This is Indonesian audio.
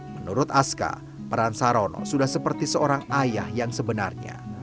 menurut aska peran sarono sudah seperti seorang ayah yang sebenarnya